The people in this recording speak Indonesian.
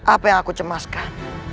apa yang aku cemaskan